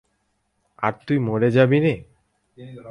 আর তুই মরে যাবি নে?